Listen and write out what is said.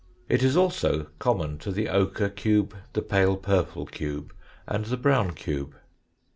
It is also common to the ochre cube, the pale purple cube, and the brown cube.